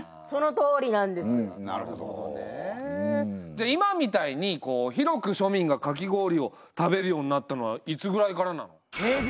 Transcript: じゃあ今みたいに広く庶民がかき氷を食べるようになったのはいつぐらいからなの？